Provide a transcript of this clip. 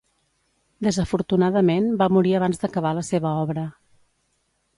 Desafortunadament va morir abans d'acabar la seva obra.